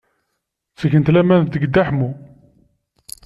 Ttgent laman deg Dda Ḥemmu.